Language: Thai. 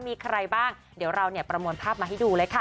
มีใครบ้างเดี๋ยวเราเนี่ยประมวลภาพมาให้ดูเลยค่ะ